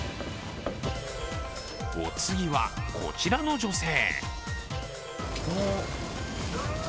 お次は、こちらの女性。